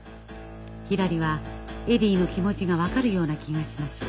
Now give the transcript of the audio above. ひらりはエディの気持ちが分かるような気がしました。